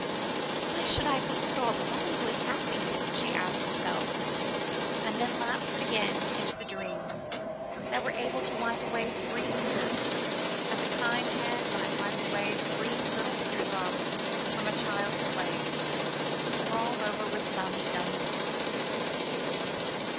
"Why should I be so abominably happy?" she asked herself, and then lapsed again into the dreams that were able to wipe away three years, as a kind hand might wipe three little tear drops from a child's slate, scrawled over with sums done wrong.